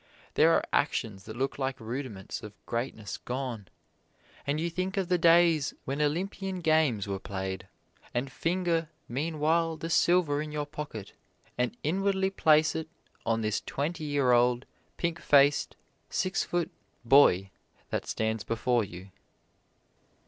There are actions that look like rudiments of greatness gone, and you think of the days when Olympian games were played, and finger meanwhile the silver in your pocket and inwardly place it on this twenty year old, pink faced, six foot "boy" that stands before you.